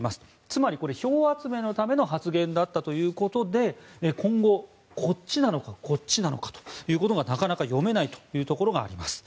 つまりこれ、票集めのための発言だったということで今後、こっちなのかこっちなのかということがなかなか読めないところがあります。